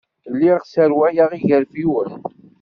Lliɣ sserwaleɣ igerfiwen.